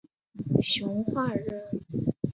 熊化人。